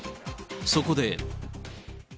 そこで。